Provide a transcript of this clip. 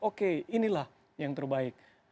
oke inilah yang terbaik